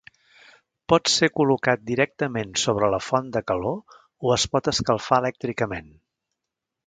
Pot ser col·locat directament sobre la font de calor o es pot escalfar elèctricament.